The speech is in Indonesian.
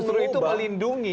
justru itu melindungi